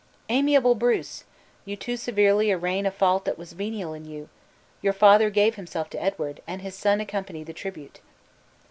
"Amiable Bruce! you too severely arraign a fault that was venial in you. Your father gave himself to Edward, and his son accompanied the tribute."